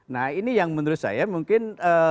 nah ini yang menurut saya mungkin